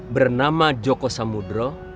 bernama joko samudro